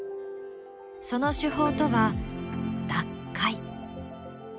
その手法とは脱灰。